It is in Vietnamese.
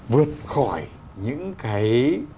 vượt khỏi những cái